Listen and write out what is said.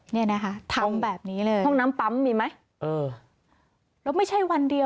นี่นะคะทำแบบนี้เลย